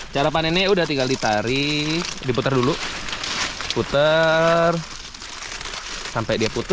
yang lebih besar lagi adalah setengah tahun